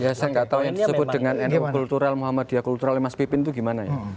ya saya nggak tahu yang disebut dengan ini kultural muhammadiyah kultural mas pipin itu gimana ya